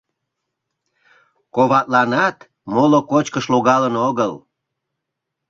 — Коватланат моло кочкыш логалын огыл.